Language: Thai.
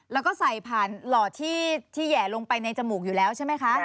แล้วก็ใส่ผ่านหลอดที่แห่ลงไปในจมูกอยู่แล้วใช่ไหมคะ